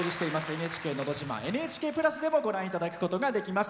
「ＮＨＫのど自慢」「ＮＨＫプラス」でもご覧いただくことができます。